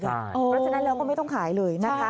เพราะฉะนั้นเราก็ไม่ต้องขายเลย